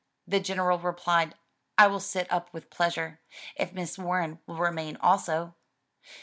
The General replied " I will sit up with pleasure, if Miss Warren will remain also."